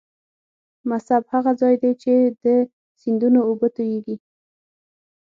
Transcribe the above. مصب هغه ځاي دې چې د سیندونو اوبه تویږي.